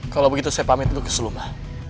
kalau begitu saya pamit untuk keselumah